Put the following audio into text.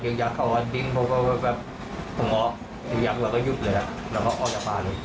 เขาก็ดึงผมก็แบบผมออกยึกยักเราก็ยุบเลยแล้วก็ออกจากบ้านเลย